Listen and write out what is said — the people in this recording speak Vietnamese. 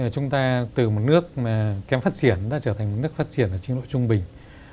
chúng ta từ một nước kém phát triển đã trở thành một nước phát triển ở chế độ trung bình